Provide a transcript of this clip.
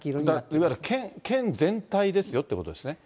いわゆる県全体ですよということですね。